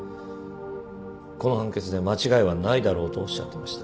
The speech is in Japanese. この判決で間違いはないだろうとおっしゃってました。